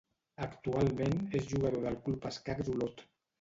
Actualment és jugador del Club Escacs Olot.